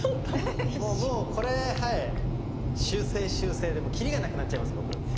もうこれ修正修正でもう切りがなくなっちゃいます僕。